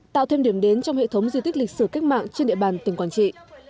tạo thêm điểm đến trong hệ thống di tích lịch sử cách mạng trên địa bàn tỉnh quảng trị